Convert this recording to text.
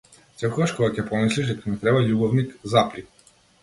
Секогаш кога ќе помислиш дека ми треба љубовник, запри.